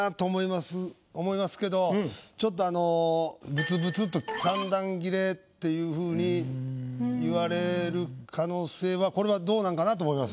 ちょっとあのブツブツっと三段切れっていう風に言われる可能性はこれはどうなんかなと思います。